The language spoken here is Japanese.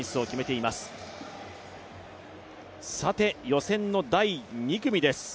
予選の第２組です。